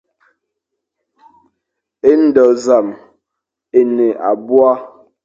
É ndo zam é ne abua.